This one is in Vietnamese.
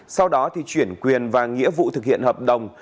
sau đó thì chuyển quyền và nghĩa vụ thực hiện hợp đồng